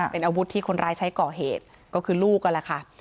เป็นอาวุธที่คนร้ายใช้ก่อเหตุก็คือลูกนั่นแหละค่ะ